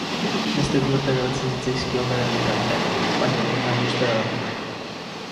Beste bi urte geratzen zitzaizkion bere agintaldiari, baina lehenago uztea erabaki du.